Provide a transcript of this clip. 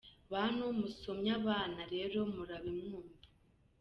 Bantu musomya abana rero murabe mwumva!.